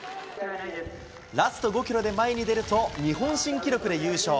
ラスト５キロで前に出ると、日本新記録で優勝。